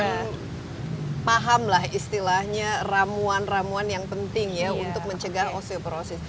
kita pahamlah istilahnya ramuan ramuan yang penting ya untuk mencegah osteoporosis